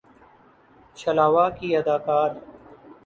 چھلاوہ کی اداکار